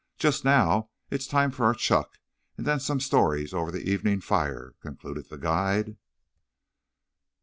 Just now it's time for our chuck and then some stories over the evening fire," concluded the guide.